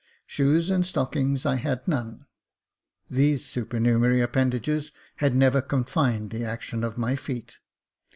Shoes and stockings I had none ; these supernumerary append ages had never confined the action of my feet.